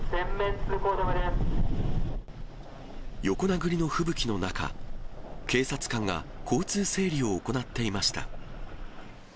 横殴りの吹雪の中、警察官が交通整理を行っていました。